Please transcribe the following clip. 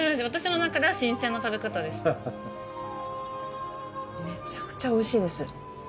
私の中では新鮮な食べ方です。